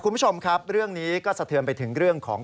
คุณผู้ชมครับเรื่องนี้ก็สะเทือนไปถึงเรื่องของ